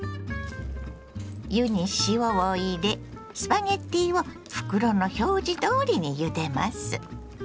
湯に塩を入れスパゲッティを袋の表示どおりにゆでます。